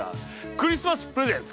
クリスマスプレゼント！